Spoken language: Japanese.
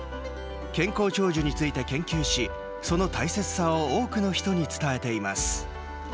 健康長寿について研究しその大切さを多くの人に伝えています。